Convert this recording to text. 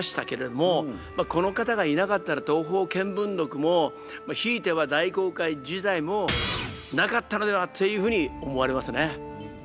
まあこの方がいなかったら「東方見聞録」もひいては大航海時代もなかったのではっていうふうに思われますね。